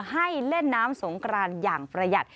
ให้เล่นน้ำสงกรานอย่างประหยัด